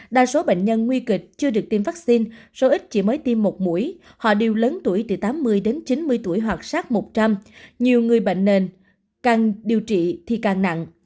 đa số bệnh nhân nguy kịch chưa được tiêm vaccine số ít chỉ mới tiêm một mũi họ đều lớn tuổi từ tám mươi đến chín mươi tuổi hoạt sát một trăm linh nhiều người bệnh nền càng điều trị thì càng nặng